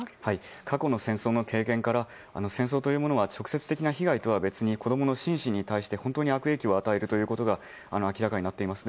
過去の戦争の経験から戦争というものは直接的な被害とは別に子供の心身に対して本当に悪影響を与えることが明らかになっています。